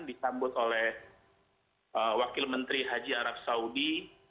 disambut oleh wakil menteri haji arab saudi